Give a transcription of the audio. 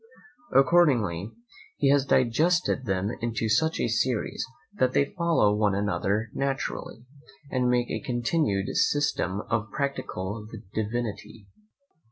Accordingly, he has digested them into such a series, that they follow one another naturally, and make a continued system of practical divinity.